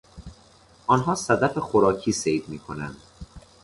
آنها صدف خوراکی صید میکنند.